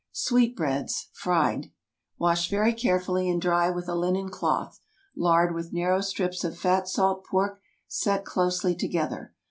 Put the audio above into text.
SWEET BREADS (Fried.) ✠ Wash very carefully, and dry with a linen cloth. Lard with narrow strips of fat salt pork, set closely together.